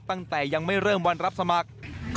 ตั้งแต่ยังไม่เริ่มวันรับสมัคร